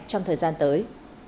trong thời gian tới